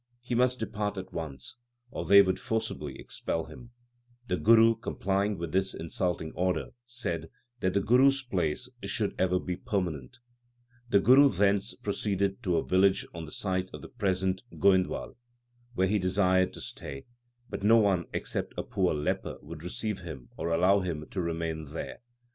He must LIFE OF GURU NANAK 107 depart at once, or they would forcibly expel him. The Guru, complying with this insulting order, said that the Guru s place should ever be permanent. The Guru thence proceeded to a village on the site of the present Goindwal, where he desired to stay, but no one except a poor leper would receive him or allow him to remain there.